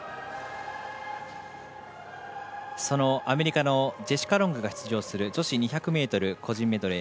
アメリカのジェシカ・ロングが出場する女子２００ｍ個人メドレー